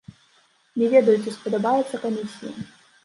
Не ведаю, ці спадабаецца камісіі.